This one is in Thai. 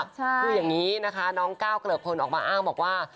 คืออย่างนี้นะคะน้องก้าวเกิดสิ่งออกมาบอกว่า